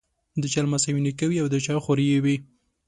د چا لمسی او نیکه وي او د چا خوريی وي.